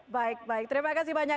baik baik terima kasih banyak